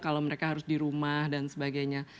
kalau mereka harus di rumah dan sebagainya